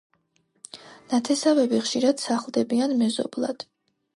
ნათესავები ხშირად სახლდებიან მეზობლად.